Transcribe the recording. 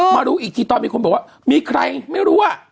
รู้อีกทีตอนมีคนบอกว่ามีใครไม่รู้อ่ะ